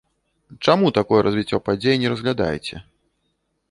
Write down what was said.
Чаму такое развіццё падзей не разглядаеце?